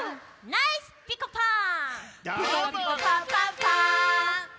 ナイスピコパン！